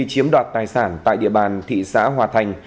chiếm đoạt tài sản tại địa bàn thị xã hòa thành